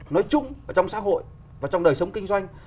nói chung trong xã hội và trong đời sống kinh doanh